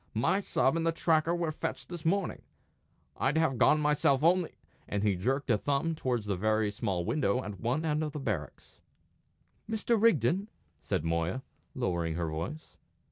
My sub and the tracker were fetched this morning. I'd have gone myself only " and he jerked a thumb towards a very small window at one end of the barracks. "Mr. Rigden?" said Moya, lowering her voice.